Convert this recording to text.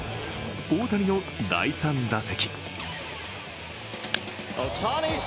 大谷の第３打席。